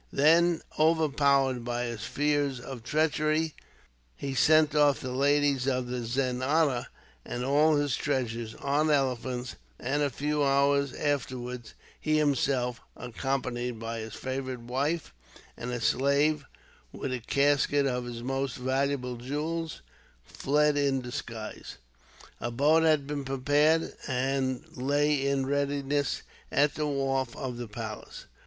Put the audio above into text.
Then, overpowered by his fears of treachery, he sent off the ladies of the zenana, and all his treasures, on elephants; and, a few hours afterwards, he himself, accompanied by his favourite wife, and a slave with a casket of his most valuable jewels, fled in disguise. A boat had been prepared, and lay in readiness at the wharf of the palace.